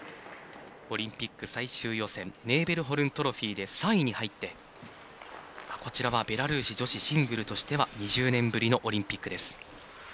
オリンピック最終予選ネーベルホルントロフィーで３位に入ってこちらはベラルーシ女子シングルとしては２０年ぶりのオリンピックです。